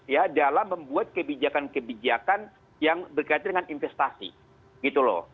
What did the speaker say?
ya dalam membuat kebijakan kebijakan yang berkaitan dengan investasi gitu loh